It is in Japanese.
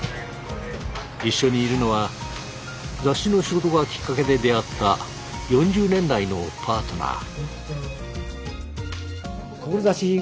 一緒にいるのは雑誌の仕事がきっかけで出会った４０年来のパートナー。